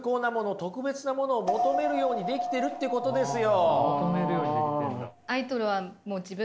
特別なものを求めるようにできてるっていうことですよ。